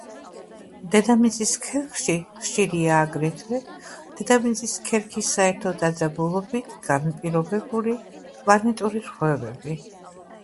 დედამიწის ქერქში ხშირია აგრეთვე დედამიწის ქერქის საერთო დაძაბულობით განპირობებული პლანეტური რღვევები.